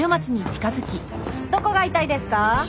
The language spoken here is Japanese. どこが痛いですか？